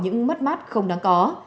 và những mất mát không đáng có